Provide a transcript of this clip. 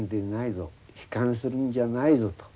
悲観するんじゃないぞ」と。